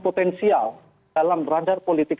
potensial dalam radar politik